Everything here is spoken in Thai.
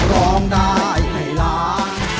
เพื่อร้องได้ให้ร้าง